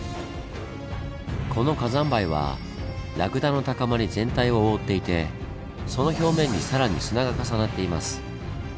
この火山灰はラクダの高まり全体を覆っていてその表面に更に砂が重なっています。